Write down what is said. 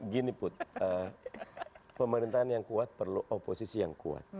gini put pemerintahan yang kuat perlu oposisi yang kuat